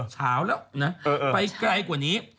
เช้าแล้วนะไปไกลกว่านี้